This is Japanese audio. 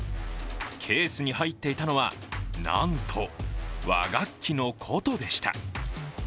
ケースに入っていたのは、なんと和楽器の琴でした。